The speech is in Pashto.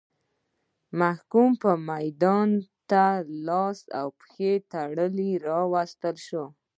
محکوم به میدان ته لاس او پښې تړلی راوستل شو.